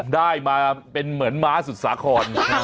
ได้มาเป็นเหมือนม้าสุดสาคร